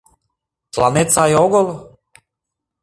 Тыланет сай огыл?